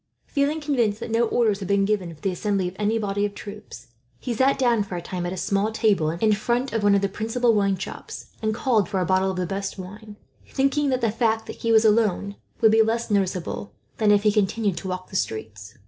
Feeling convinced that no orders had been given for the assembly of any body of troops, he sat down for a time at a small table in front of one of the principal wine shops, and called for a bottle of the best wine; thinking that the fact that he was alone would be less noticeable, so, than if he continued to walk the streets.